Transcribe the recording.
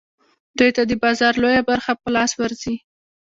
دوی ته د بازار لویه برخه په لاس ورځي